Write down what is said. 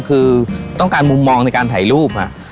คือต้องการมุมมองในการถ่ายรูป